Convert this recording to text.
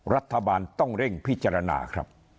รัฐบาลต้องเร่งพิจารณาครับ